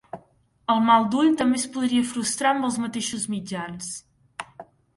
El "mal d'ull" també es podria frustrar amb els mateixos mitjans.